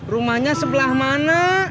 rumahnya sebelah mana